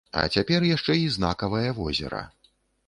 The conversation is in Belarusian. А цяпер яшчэ і знакавае возера.